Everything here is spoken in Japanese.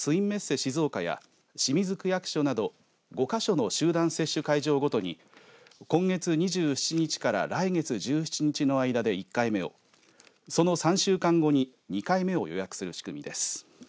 静岡や清水区役所など５か所の集団接種会場ごとに今月２７日から来月１７日の間で１回目をその３週間後に２回目を予約する仕組みです。